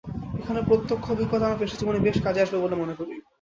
এখানে প্রত্যক্ষ অভিজ্ঞতা আমার পেশাজীবনে বেশ কাজে আসবে বলে মনে করি।